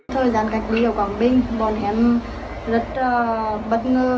thời gian cách ly ở quảng bình bọn em rất bất ngờ